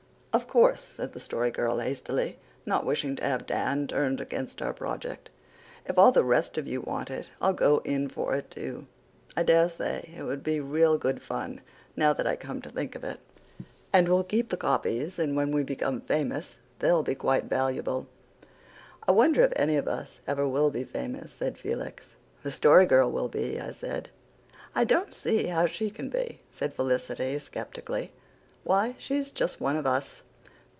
"Of course," said the Story Girl hastily, not wishing to have Dan turned against our project, "if all the rest of you want it I'll go in for it too. I daresay it would be real good fun, now that I come to think of it. And we'll keep the copies, and when we become famous they'll be quite valuable." "I wonder if any of us ever will be famous," said Felix. "The Story Girl will be," I said. "I don't see how she can be," said Felicity skeptically. "Why, she's just one of us."